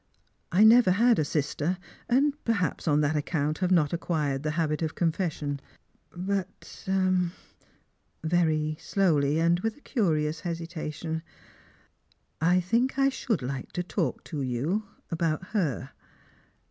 I never had a sister, and perhaps on that account have not acquired the habit of confession. But — but —" very slowly, and with a curioua hesitation, " I think I should like to talk to you — about her.